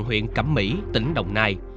huyện cẩm mỹ tỉnh đồng nai